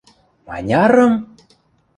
– Манярым?!